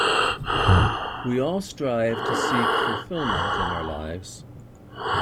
We all strive to seek fulfilment in our lives.